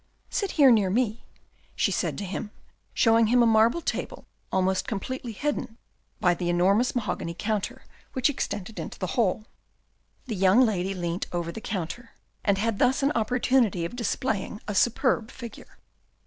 " Sit here near me," she said to him, showing him a marble table almost completely hidden by the enormous mahogany counter which extended into the hall. The young lady leant over the counter, and had thus an opportunity of displaying a superb figure.